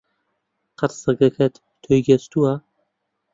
قەت سەگەکەت تۆی گەستووە؟